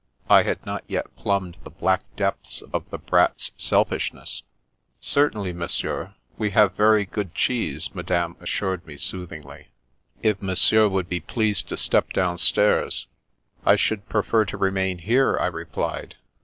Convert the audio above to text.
I had not yet plumbed the black depths of the Brat's selfishness. " Certainly, Monsieur ; we have very good cheese," madame assured me soothingly. " If Mon sieur would be pleased to step downstairs." " I should prefer to remain here," I replied.